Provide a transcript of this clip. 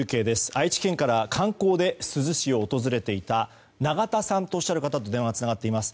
愛知県から観光で珠洲市を訪れていたナガタさんとおっしゃる方と電話がつながっています。